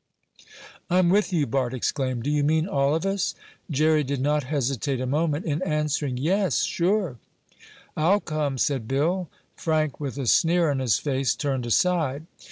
"I'm with you!" Bart exclaimed. "Do you mean all of us?" Jerry did not hesitate a moment in answering: "Yes, sure!" "I'll come," said Bill. Frank, with a sneer on his face, turned aside.